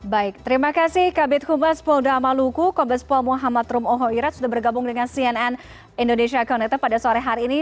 baik terima kasih kabit humas polda maluku kombes pol muhammad rum ohhoirad sudah bergabung dengan cnn indonesia connected pada sore hari ini